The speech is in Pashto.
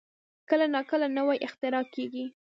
کله نا کله نوې اختراع کېږي.